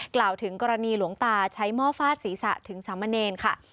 กล่าวถึงกรณีหลวงตาใช้หม้อฟาดศีรษะถึงสามเณรค่ะ